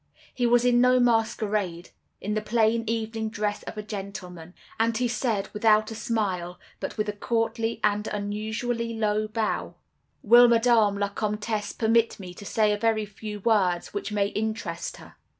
He was in no masquerade—in the plain evening dress of a gentleman; and he said, without a smile, but with a courtly and unusually low bow:— "'Will Madame la Comtesse permit me to say a very few words which may interest her?